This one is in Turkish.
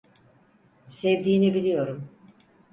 Sevdiğini biliyorum.